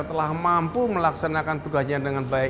telah mampu melaksanakan tugasnya dengan baik